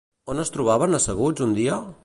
On es trobaven asseguts un dia?